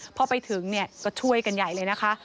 พอไปถึงเนี่ยก็ช่วยกันใหญ่เลยนะคะ